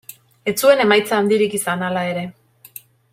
Ez zuen emaitza handirik izan hala ere.